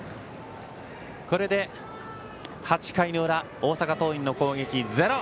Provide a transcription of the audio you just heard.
これで８回の裏大阪桐蔭の攻撃はゼロ。